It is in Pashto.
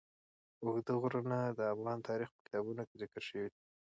اوږده غرونه د افغان تاریخ په کتابونو کې ذکر شوی دي.